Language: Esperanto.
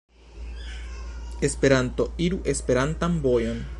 Esperanto iru Esperantan vojon.